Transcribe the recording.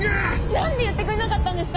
何で言ってくれなかったんですか！